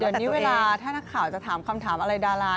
เดี๋ยวนี้เวลาถ้านักข่าวจะถามคำถามอะไรดารา